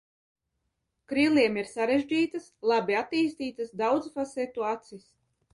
Kriliem ir sarežģītas, labi attīstītas daudzfasetu acis.